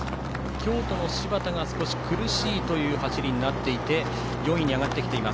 京都の柴田が少し苦しいという走りになり４位に上がっています。